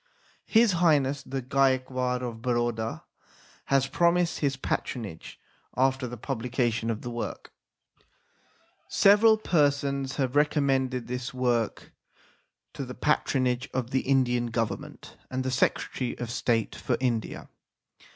His Highness the Gaekwar of Baroda has promised his patronage after the publication of the work. Several persons have recommended this work to the patronage of the Indian Government and the Secretary of State for India.